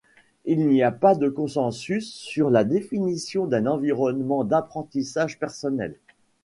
Il n'y a pas consensus sur la définition d'un environnement d'apprentissage personnel.